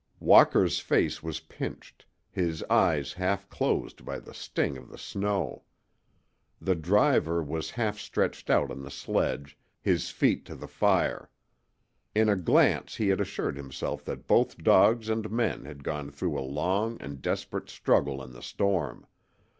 Walker's face was pinched, his eyes half closed by the sting of the snow. The driver was half stretched out on the sledge, his feet to the fire. In a glance he had assured himself that both dogs and men had gone through a long and desperate struggle in the storm.